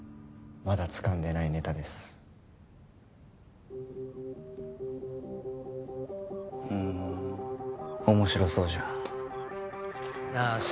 まだつかんでないネタですふん面白そうじゃんなあ